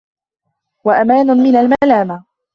وَأَمَانٌ مِنْ الْمَلَامَةِ